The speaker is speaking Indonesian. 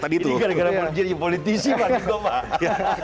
ini karena politisi pak